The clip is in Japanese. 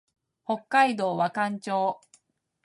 北海道和寒町